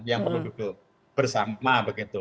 yang perlu bersama begitu